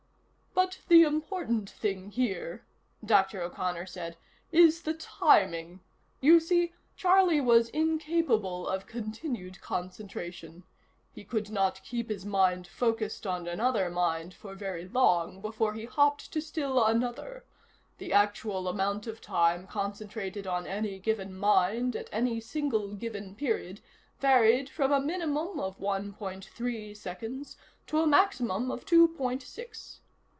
"But the important thing here," Dr. O'Connor said, "is the timing. You see, Charlie was incapable of continued concentration. He could not keep his mind focused on another mind for very long, before he hopped to still another. The actual amount of time concentrated on any given mind at any single given period varied from a minimum of one point three seconds to a maximum of two point six.